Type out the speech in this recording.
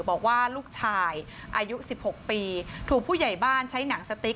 บอกว่าลูกชายอายุ๑๖ปีถูกผู้ใหญ่บ้านใช้หนังสติ๊ก